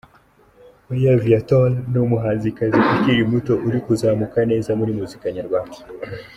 Weya Viatora ni umuhanzikazi ukiri muto uri kuzamuka neza muri muzika nyarwanda.